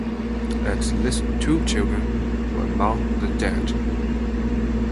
At least two children were among the dead.